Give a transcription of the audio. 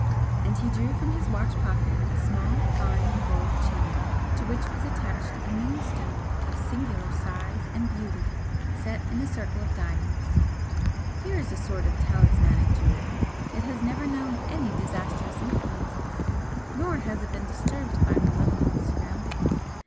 and he drew from his watch pocket a small fine gold chain to which was attached a moonstone of singular size and beauty, set in a circle of diamonds "Here is a sort of talismanic jewel it has never known any disastrous influences, nor has it been disturbed by malevolent surroundings.